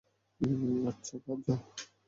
আচ্ছা, যা।